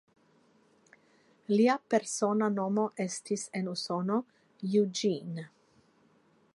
Lia persona nomo estis en Usono "Eugene".